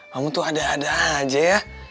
kamu tuh ada ada aja ya